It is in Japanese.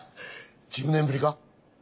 １０年ぶりか？